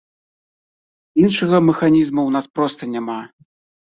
Іншага механізма ў нас проста няма.